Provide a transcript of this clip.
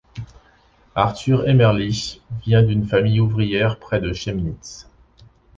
Arthur Emmerlich vient d'une famille ouvrière près de Chemnitz.